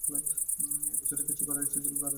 এই বছরে কিছু করার ইচ্ছা থাকলে তাড়াতাড়ি সেরে ফেলুন।